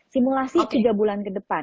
simulasi tiga bulan ke depan